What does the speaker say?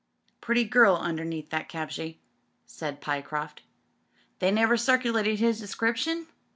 "Pretty girl under that kapje," said Pyecroft. "They never circulated his description?"